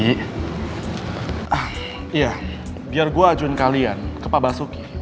iya biar gue ajuin kalian ke pak basuki